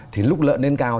thì lúc lợn lên cao